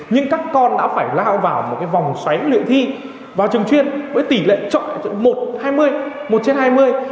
nhưng các con đã phải lao vào một vòng xoáy luyện thi vào trường chuyên với tỷ lệ trọi một hai mươi một trên hai mươi